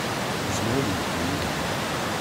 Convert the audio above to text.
Yezmer ad yeddu yid-neɣ.